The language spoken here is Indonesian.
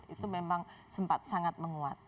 itu memang sempat sangat menguat